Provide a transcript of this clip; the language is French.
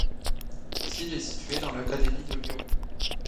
Thil est située dans l'académie de Lyon.